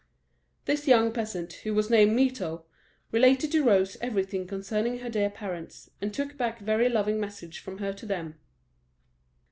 This young peasant, who was named Mirto, related to Rose everything concerning her dear parents, and took back very loving messages from her to them.